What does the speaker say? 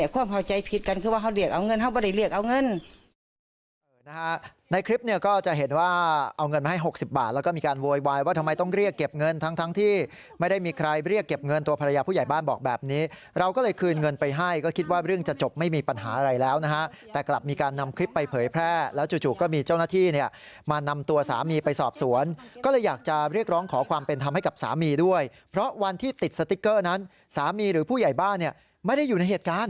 คิดกันว่าเขาเรียกเอาเงินเขาบริเรียกเอาเงิน